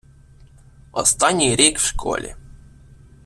останній рік в школі